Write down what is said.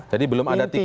jadi belum ada tiket